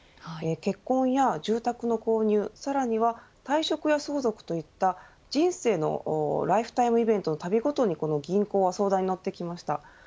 結婚や住宅の購入、さらには退職や相続といった人生のライフタイムイベントのたびごとに銀行は相談に乗ってきました。